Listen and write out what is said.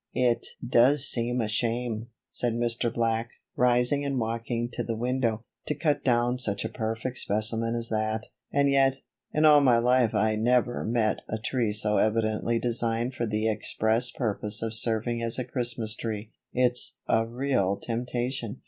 "It does seem a shame," said Mr. Black, rising and walking to the window, "to cut down such a perfect specimen as that; and yet, in all my life I never met a tree so evidently designed for the express purpose of serving as a Christmas tree. It's a real temptation."